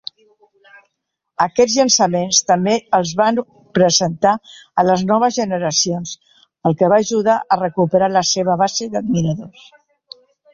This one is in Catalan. Aquests llançaments també els van presentar a les noves generacions, el que va ajudar a recuperar la seva base d'admiradors.